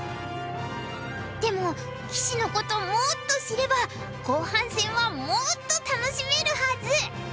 でも棋士のこともっと知れば後半戦はもっと楽しめるはず！